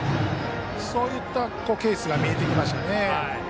そういったケースが見えてきましたね。